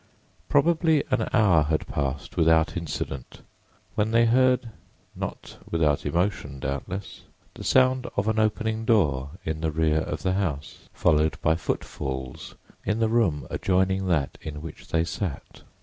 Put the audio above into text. Probably an hour had passed without incident when they heard (not without emotion, doubtless) the sound of an opening door in the rear of the house, followed by footfalls in the room adjoining that in which they sat.